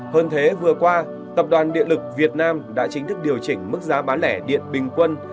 hơn thế vừa qua tập đoàn điện lực việt nam đã chính thức điều chỉnh mức giá bán lẻ điện bình quân